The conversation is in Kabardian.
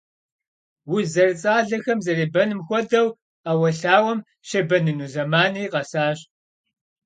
Уз зэрыцӀалэхэм зэребэным хуэдэу, Ӏэуэлъауэм щебэныну зэманри къэсащ.